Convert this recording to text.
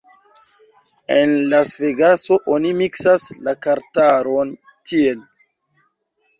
En Lasvegaso oni miksas la kartaron tiel